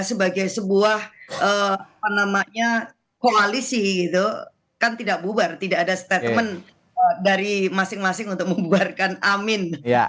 sebagai sebuah koalisi kan tidak bubar tidak ada statement dari masing masing untuk membuarkan amin